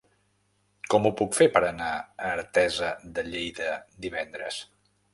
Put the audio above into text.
Com ho puc fer per anar a Artesa de Lleida divendres?